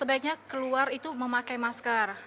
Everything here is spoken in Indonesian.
sebaiknya keluar itu memakai masker